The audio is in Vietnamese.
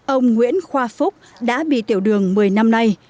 ông nguyễn khoa phúc đã bị tiểu đường một mươi năm nay